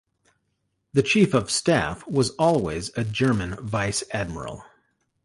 The chief-of-staff was always a German Vice Admiral.